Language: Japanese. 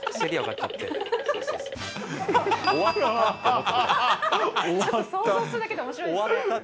ちょっと想像するだけでおもしろいですね。